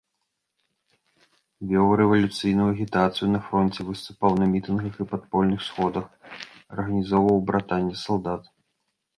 Вёў рэвалюцыйную агітацыю на фронце, выступаў на мітынгах і падпольных сходах, арганізоўваў братанне салдат.